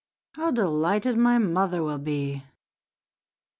How delighted my mother will be!"